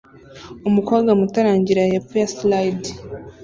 umukobwa muto arangirira hepfo ya slide